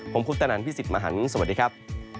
ผมคุปตนันพี่สิทธิ์มหันฯสวัสดีครับ